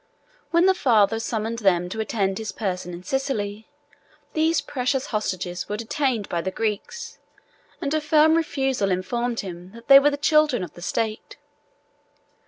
When the father summoned them to attend his person in Sicily, these precious hostages were detained by the Greeks, and a firm refusal informed him that they were the children of the state.